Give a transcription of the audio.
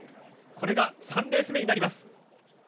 これが３レース目になります。